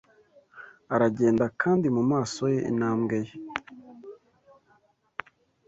Aragenda, kandi mumaso ye, intambwe ye